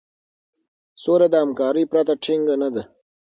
سوله د همکارۍ پرته ټينګه نه ده.